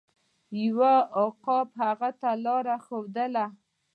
یو عقاب هغه ته لاره وښودله.